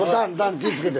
気ぃつけて。